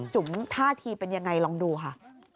จุ๋มท่าทีเป็นยังไงลองดูค่ะ